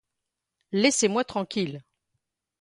Laissez-moi tranquille.